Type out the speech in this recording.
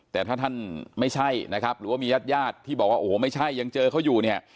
แต่ถ้าท่านไม่ใช่นะครับหรือว่ามีญาติญาติที่บอกว่าโอ้โหไม่ใช่ยังเจอเขาอยู่เนี่ย